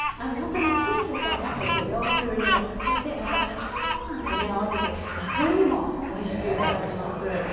チーズと合わせて洋風にもそして、炊き込みごはんと合わせて和風にもおいしくいただけます。